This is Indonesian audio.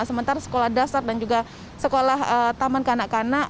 sementara sekolah dasar dan juga sekolah taman kanak kanak